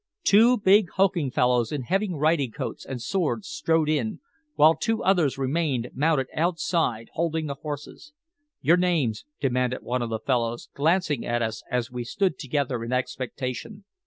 Two big, hulking fellows in heavy riding coats and swords strode in, while two others remained mounted outside, holding the horses. "Your names?" demanded one of the fellows, glancing at us as we stood together in expectation.